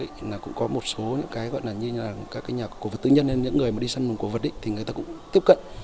cái việc cũng có một số những cái gọi là như là các nhà cổ vật tư nhân những người mà đi săn mồm cổ vật thì người ta cũng tiếp cận